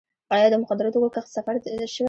آیا د مخدره توکو کښت صفر شوی؟